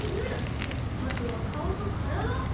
あとはかおとからだ。